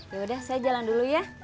yaudah saya jalan dulu ya